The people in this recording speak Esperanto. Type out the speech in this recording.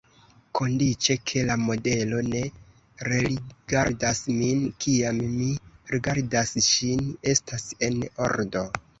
Kondiĉe, ke la modelo ne rerigardas min, kiam mi rigardas ŝin, estas en ordo.